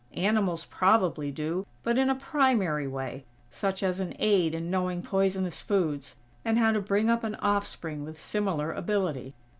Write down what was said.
Animals probably do, but in a primary way, such as an aid in knowing poisonous foods, and how to bring up an offspring with similar ability.